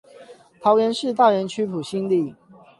桃園市大園區埔心里